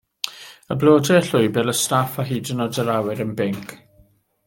Y blodau, y llwybr, y staff a hyd yn oed yr awyr yn binc!